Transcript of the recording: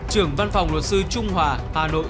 trưởng văn phòng luật sư trung hòa hà nội